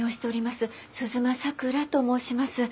鈴間さくらと申します。